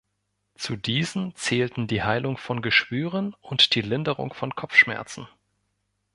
Zu diesen zählten die Heilung von Geschwüren und die Linderung von Kopfschmerzen.